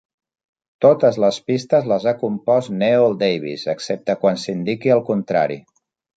Totes les pistes les ha compost Neol Davies, excepte quan s'indiqui el contrari.